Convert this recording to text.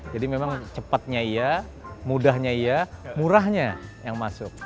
jadi memang cepatnya iya mudahnya iya murahnya yang masuk